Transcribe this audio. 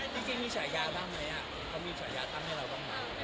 แล้วจริงมีฉายาทำไหมอ่ะเขามีฉายาทำให้เราก็มา